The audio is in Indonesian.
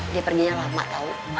dia perginya lama tau